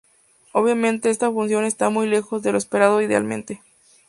Obviamente esta función está muy lejos de lo esperado idealmente.